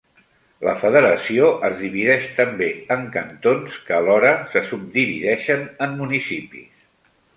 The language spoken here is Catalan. La Federació es divideix també en cantons, que alhora se subdivideixen en municipis.